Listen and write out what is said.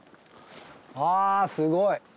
あすごい！